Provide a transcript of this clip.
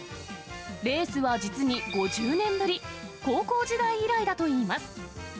レースは実に５０年ぶり、高校時代以来だといいます。